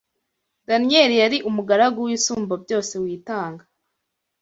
Daniyeli yari umugaragu w’Isumbabyose witanga